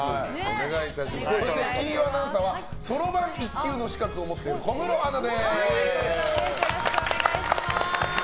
そして金曜アナウンサーはそろばん１級の資格を持っているよろしくお願いします。